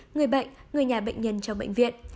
người bệnh người nhà bệnh nhân trong bệnh viện